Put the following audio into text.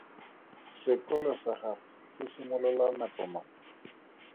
Sekolo sa gagwe se simolola nako mang?